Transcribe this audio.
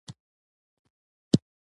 ځكه د مڼې گل مشاعرې خپله ملي بڼه خپله كړه.